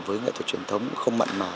với nghệ thuật truyền thống không mạnh mà